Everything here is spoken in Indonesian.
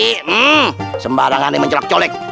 hmm sembarangan ini mencolok colik